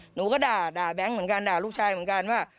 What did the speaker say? หนูก็ด่าแบงค์เหมือนกันด่าลูกชายเหมือนกันว่า